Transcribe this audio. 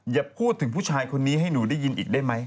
อย่าพูดถึงผู้ชายคนนี้ให้หนูได้ยินอีกได้ไหม